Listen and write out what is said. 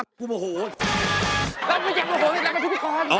รักไม่จับกูโอโหรักไม่ใช่พี่พี่คอร์น